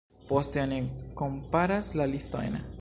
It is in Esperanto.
Poste oni komparas la listojn.